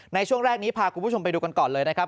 ในช่วงแรกนี้พาคุณผู้ชมไปดูกันก่อนเลยนะครับ